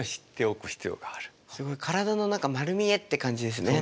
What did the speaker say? すごい体の中丸見えって感じですね。